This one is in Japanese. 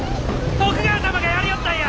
徳川様がやりおったんや！